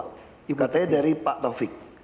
katanya dari pak taufik